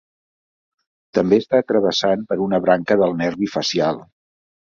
També està travessat per una branca del nervi facial.